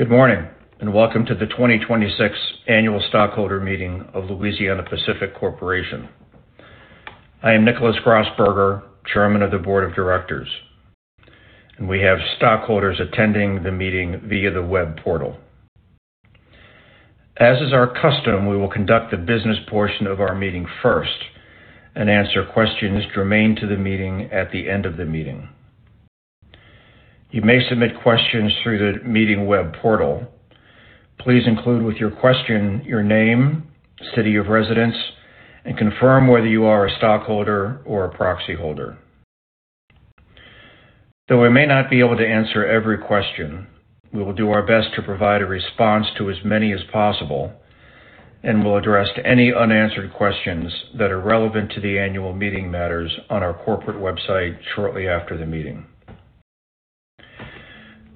Good morning, welcome to the 2026 annual stockholder meeting of Louisiana-Pacific Corporation. I am Nicholas Grasberger, Chairman of the Board of Directors, and we have stockholders attending the meeting via the web portal. As is our custom, we will conduct the business portion of our meeting first and answer questions germane to the meeting at the end of the meeting. You may submit questions through the meeting web portal. Please include with your question your name, city of residence, and confirm whether you are a stockholder or a proxy holder. Though I may not be able to answer every question, we will do our best to provide a response to as many as possible and will address any unanswered questions that are relevant to the annual meeting matters on our corporate website shortly after the meeting.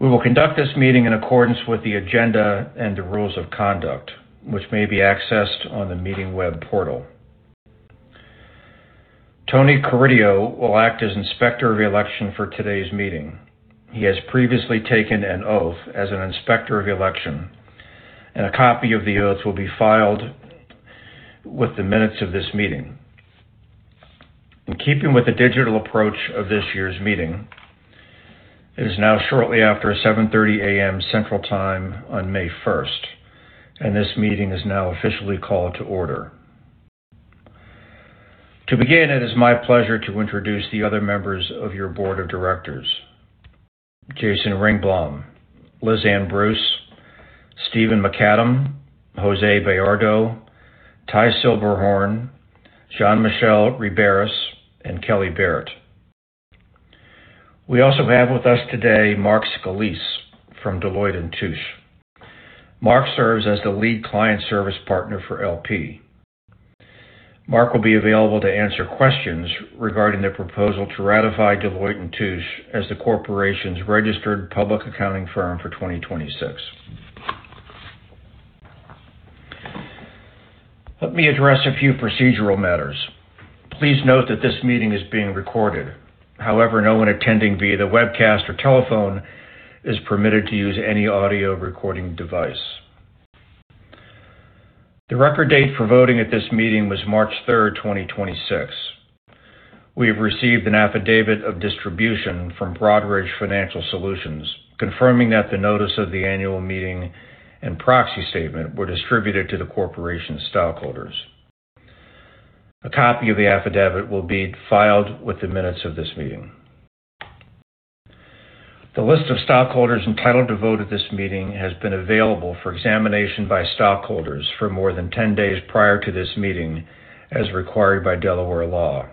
We will conduct this meeting in accordance with the agenda and the rules of conduct, which may be accessed on the meeting web portal. [Tony Carideo] will act as Inspector of Election for today's meeting. He has previously taken an oath as an Inspector of Election, and a copy of the oath will be filed with the minutes of this meeting. In keeping with the digital approach of this year's meeting, it is now shortly after 7:30 A.M. Central Time on May 1, this meeting is now officially called to order. To begin, it is my pleasure to introduce the other members of your board of directors, Jason Ringblom, Lizanne M. Bruce, Stephen Macadam, Jose Bayardo, Ty Silberhorn, Jean-Michel Ribiéras, and Kelly Barrett. We also have with us today [Mark Scalese] from Deloitte & Touche. [Mark] serves as the lead client service partner for LP. [Mark] will be available to answer questions regarding the proposal to ratify Deloitte & Touche as the corporation's registered public accounting firm for 2026. Let me address a few procedural matters. Please note that this meeting is being recorded. No one attending via the webcast or telephone is permitted to use any audio recording device. The record date for voting at this meeting was March 3rd, 2026. We have received an affidavit of distribution from Broadridge Financial Solutions, confirming that the notice of the annual meeting and proxy statement were distributed to the corporation stockholders. A copy of the affidavit will be filed with the minutes of this meeting. The list of stockholders entitled to vote at this meeting has been available for examination by stockholders for more than 10 days prior to this meeting, as required by Delaware law.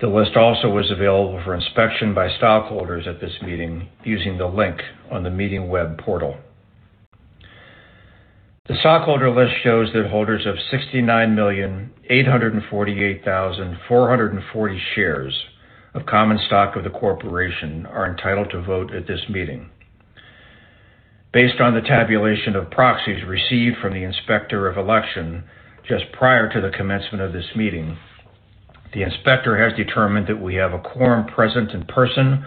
The list also was available for inspection by stockholders at this meeting using the link on the meeting web portal. The stockholder list shows that holders of 69,848,440 shares of common stock of the corporation are entitled to vote at this meeting. Based on the tabulation of proxies received from the Inspector of Election just prior to the commencement of this meeting, the Inspector has determined that we have a quorum present in person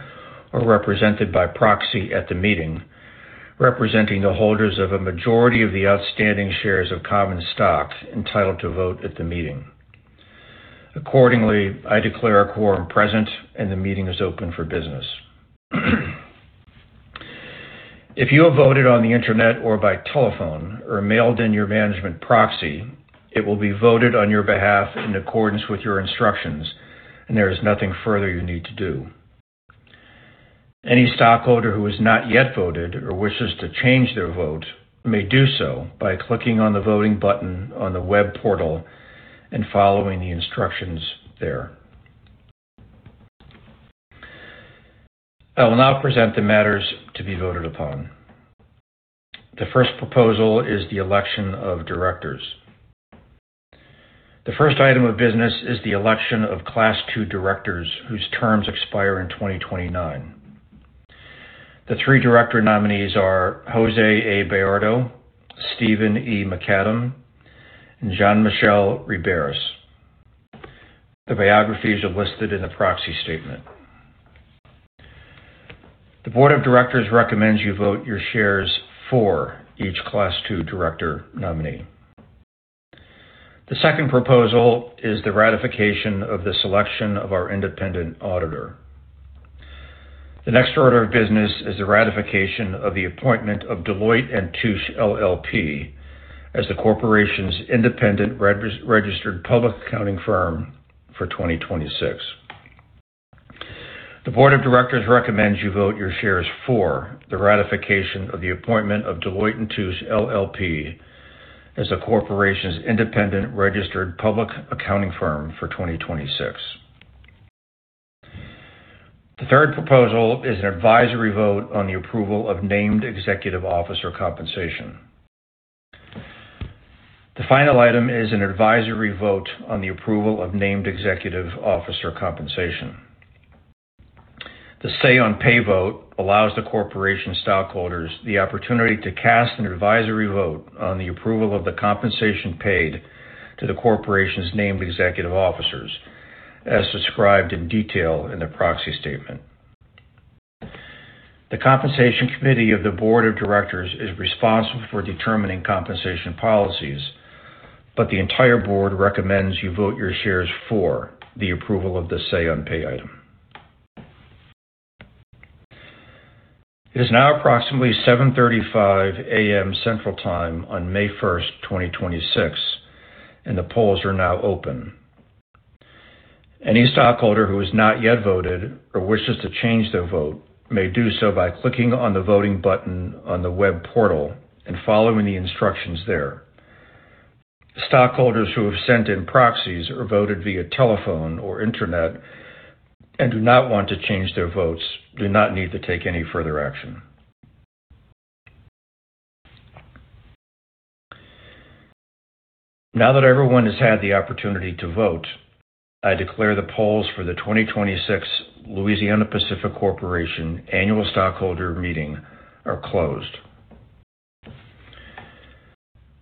or represented by proxy at the meeting, representing the holders of a majority of the outstanding shares of common stock entitled to vote at the meeting. Accordingly, I declare a quorum present, and the meeting is open for business. If you have voted on the internet or by telephone or mailed in your management proxy, it will be voted on your behalf in accordance with your instructions, and there is nothing further you need to do. Any stockholder who has not yet voted or wishes to change their vote may do so by clicking on the voting button on the web portal and following the instructions there. I will now present the matters to be voted upon. The first proposal is the election of directors. The first item of business is the election of class 2 directors whose terms expire in 2029. The three director nominees are Jose A. Bayardo, Stephen E. Macadam, and Jean-Michel Ribiéras. Their biographies are listed in the proxy statement. The board of directors recommends you vote your shares for each class 2 director nominee. The second proposal is the ratification of the selection of our independent auditor. The next order of business is the ratification of the appointment of Deloitte & Touche LLP as the corporation's independent registered public accounting firm for 2026. The board of directors recommends you vote your shares for the ratification of the appointment of Deloitte & Touche LLP as the corporation's independent registered public accounting firm for 2026. The third proposal is an advisory vote on the approval of named executive officer compensation. The final item is an advisory vote on the approval of named executive officer compensation. The Say on Pay vote allows the corporation stockholders the opportunity to cast an advisory vote on the approval of the compensation paid to the corporation's named executive officers. As described in detail in the proxy statement. The compensation committee of the board of directors is responsible for determining compensation policies, but the entire board recommends you vote your shares for the approval of the Say on Pay item. It is now approximately 7:35 A.M. Central Time on May 1, 2026, and the polls are now open. Any stockholder who has not yet voted or wishes to change their vote may do so by clicking on the voting button on the web portal and following the instructions there. Stockholders who have sent in proxies or voted via telephone or internet and do not want to change their votes do not need to take any further action. Now that everyone has had the opportunity to vote, I declare the polls for the 2026 Louisiana-Pacific Corporation annual stockholder meeting are closed.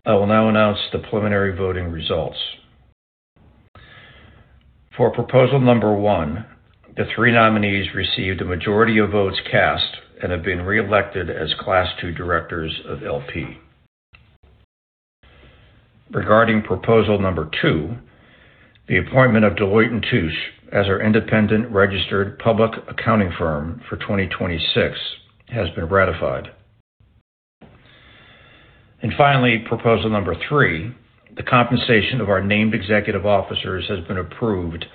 I will now announce the preliminary voting results. For proposal number 1, the three nominees received a majority of votes cast and have been reelected as class 2 directors of LP. Regarding proposal number 2, the appointment of Deloitte & Touche as our independent registered public accounting firm for 2026 has been ratified. Finally, proposal number 3, the compensation of our named executive officers has been approved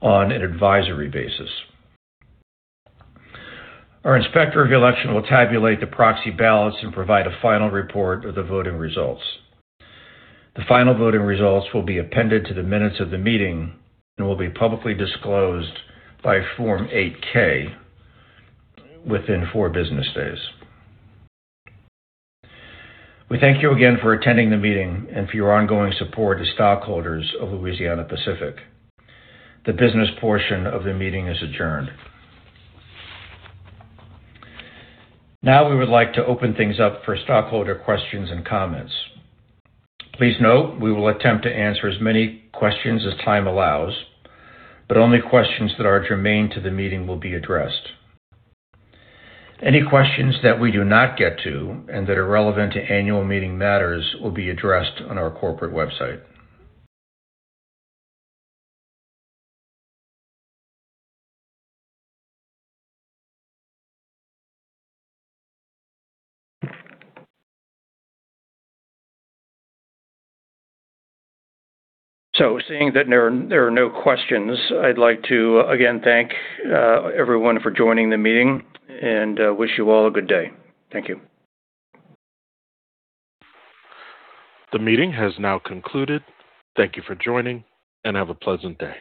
on an advisory basis. Our inspector of election will tabulate the proxy ballots and provide a final report of the voting results. The final voting results will be appended to the minutes of the meeting and will be publicly disclosed by Form 8-K within four business days. We thank you again for attending the meeting and for your ongoing support as stockholders of Louisiana-Pacific. The business portion of the meeting is adjourned. Now, we would like to open things up for stockholder questions and comments. Please note we will attempt to answer as many questions as time allows, but only questions that are germane to the meeting will be addressed. Any questions that we do not get to and that are relevant to annual meeting matters will be addressed on our corporate website. Seeing that there are no questions, I'd like to again thank everyone for joining the meeting and wish you all a good day. Thank you. The meeting has now concluded. Thank you for joining, and have a pleasant day.